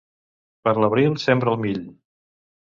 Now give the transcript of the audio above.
Per l'abril sembra el mill.